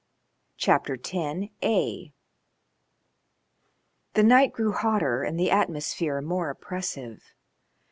CHAPTER X The night grew hotter and the atmosphere more oppressive.